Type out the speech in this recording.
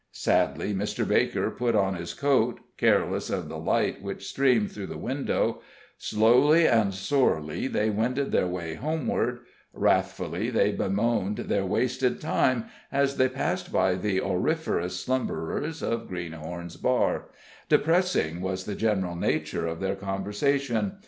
Sadly Mr. Baker put on his coat, careless of the light which streamed through the window; slowly and sorely they wended their way homeward; wrathfully they bemoaned their wasted time, as they passed by the auriferous slumberers of Greenhorn's Bar; depressing was the general nature of their conversation.